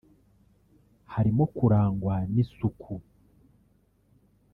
harimo kurangwa n’isuku